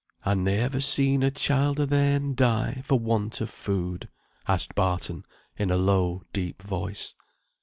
"Han they ever seen a child o' their'n die for want o' food?" asked Barton, in a low, deep voice.